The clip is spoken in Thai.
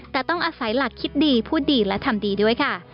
แต่ต้องอาศัยหลักคิดดีพูดดีและทำดีด้วยค่ะ